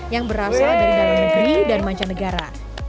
yang berasal dari dalam negeri dan mancanegara